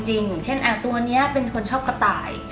อย่างเช่นตัวนี้เป็นคนชอบกระต่าย